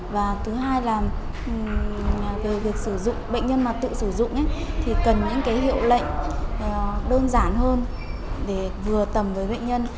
và thứ hai là về việc sử dụng bệnh nhân mà tự sử dụng thì cần những cái hiệu lệnh đơn giản hơn để vừa tầm với bệnh nhân